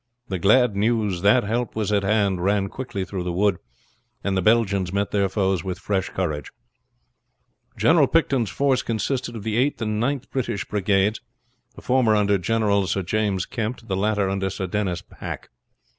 The glad news that help was at hand ran quickly through the wood, and the Belgians met their foes with fresh courage. Picton's force consisted of the Eighth and Ninth British Brigades, the former under General Sir James Kempt, the latter under Sir Denis Pack.